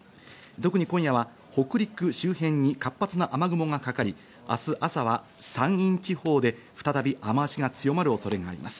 特に今夜は北陸周辺に活発な雨雲がかかり、明日朝は山陰地方で再び雨脚が強まる恐れがあります。